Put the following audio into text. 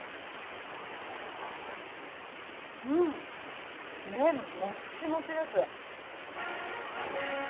うん、麺、もっちもちです。